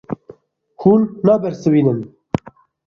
Hûn nabersivînin.